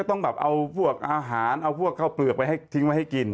โอ้ยสารจัง